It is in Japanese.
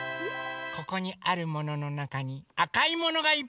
ここにあるもののなかにあかいものがいっぱいあります。